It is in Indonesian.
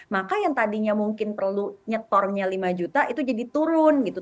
maka yang tadinya mungkin perlu nyetornya lima juta itu jadi turun gitu